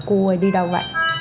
cua đi đâu vậy